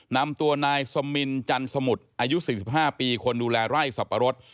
นำตัวนายสมินจันสมุทรอายุ๔๕ปีคนดูแลไร่สับปะรด